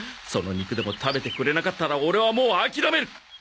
その肉でも食べてくれなかったらオレはもう諦める！